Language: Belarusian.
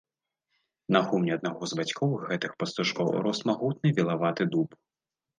На гумне аднаго з бацькоў гэтых пастушкоў рос магутны вілаваты дуб.